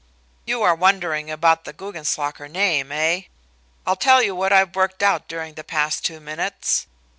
"You are wondering about the Guggenslocker name, eh? I'll tell you what I've worked out during the past two minutes.